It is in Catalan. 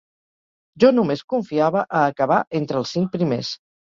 Jo només confiava a acabar entre els cinc primers.